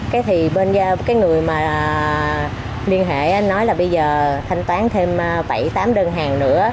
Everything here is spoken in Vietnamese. cái người mà liên hệ anh nói là bây giờ thanh toán thêm bảy tám đơn hàng nữa